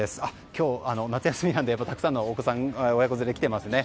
今日、夏休みなのでたくさんの親子連れが来ていますね。